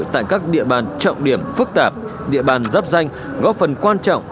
tại các địa bàn trọng điểm phức tạp địa bàn giáp danh góp phần quan trọng